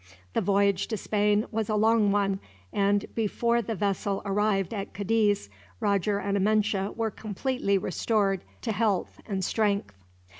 The voyage to Spain was a long one and, before the vessel arrived at Cadiz, Roger and Amenche were completely restored to health and strength.